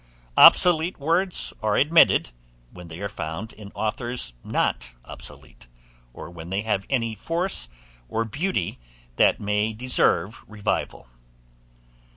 Obsolete words are admitted, when they are found in authours not obsolete, or when they have any force or beauty that may deserve revival.